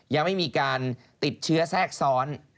ยังไม่มีการติดเชื้อแทรกซ้อน